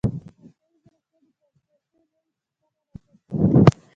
مصنوعي ځیرکتیا د فلسفې نوې پوښتنې راپورته کوي.